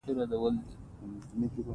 سهار دې ستوماني وباسه، جانانه.